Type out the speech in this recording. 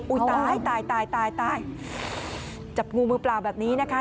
อุ๊ยตายจับงูมือเปล่าแบบนี้นะคะ